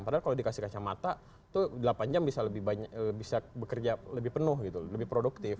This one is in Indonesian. padahal kalau dikasih kacamata tuh delapan jam bisa lebih banyak bisa bekerja lebih penuh gitu lebih produktif